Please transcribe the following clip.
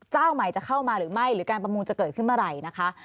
เจ้าใหม่จะเข้ามาหรือไม่หรือการประมูลจะเกิดขึ้นเมื่อไหร่นะคะ